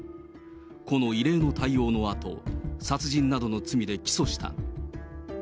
この異例の対応のあと、殺人などの罪で起訴した。